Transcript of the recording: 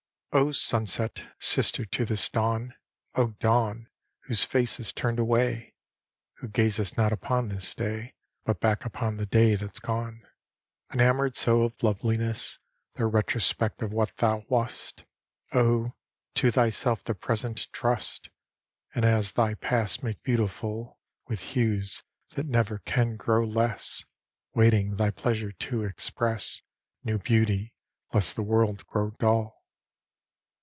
O sunset, sister to this dawn! O dawn, whose face is turned away! Who gazest not upon this day, But back upon the day that's gone! Enamored so of loveliness, The retrospect of what thou wast, Oh, to thyself the present trust! And as thy past make beautiful With hues, that never can grow less! Waiting thy pleasure to express New beauty, lest the world grow dull.